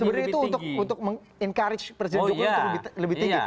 sebenarnya itu untuk meng encourage presiden jokowi untuk lebih tinggi